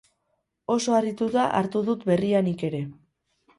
Oso harrituta hartu dut berria nik ere.